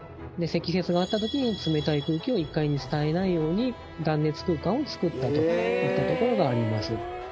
積雪があったときに冷たい空気を１階に伝えないように断熱空間を作ったといったところがあります。